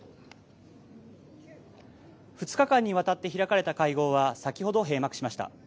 ２日間にわたって開かれた会合は先ほど閉幕しました。